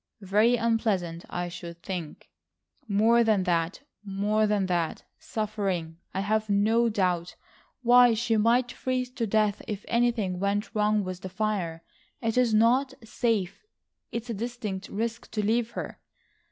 "Very unpleasant, I should think." "More than that, more than that,—suffering, I have no doubt. Why, she might freeze to death if anything went wrong with the fire. It is not safe. It's a distinct risk to leave her.